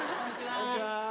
こんにちは。